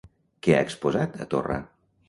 Què ha exposat a Torra?